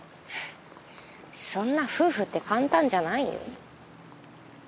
そんな夫婦って簡単じゃないよ。